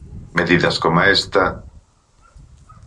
Medidas coma esta...